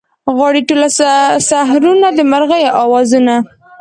غواړي ټوله سحرونه د مرغیو اوازونه